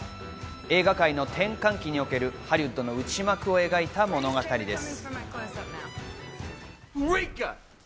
映画界の転換期におけるハリウッドの内幕を描いた物語です。